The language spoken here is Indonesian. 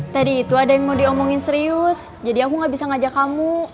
tadi itu ada yang mau diomongin serius jadi aku gak bisa ngajak kamu